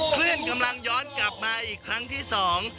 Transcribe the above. เคลื่อนกำลังย้อนกลับมาอีกครั้งที่สอง